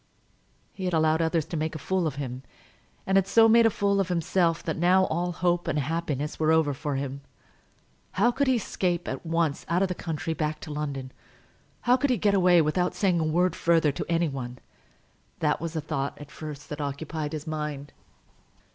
He had allowed others to make a fool of him, and had so made a fool of himself that now all hope and happiness were over for him. How could he escape at once out of the country, back to London? How could he get away without saying a word further to any one? That was the thought that at first occupied his mind.